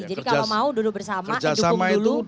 jadi kalau mau duduk bersama